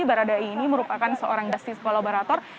baradae ini merupakan seorang justice kolaborator